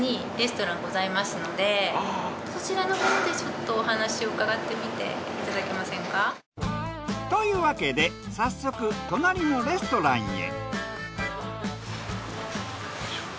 そちらのほうでちょっとお話伺ってみていただけませんか？というわけで早速隣のレストランへ。